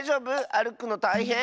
あるくのたいへん？